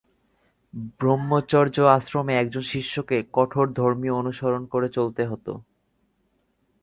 ব্রহ্মচর্য আশ্রমে একজন শিষ্যকে কঠোর ধর্মীয় অনুসরন করে চলতে হত।